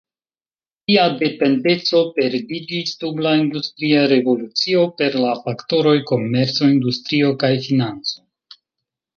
Tia dependeco perdiĝis dum la industria revolucio per la faktoroj komerco, industrio kaj financo.